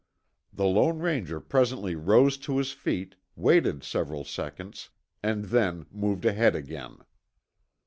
The Lone Ranger presently rose to his feet, waited several seconds, and then moved ahead again.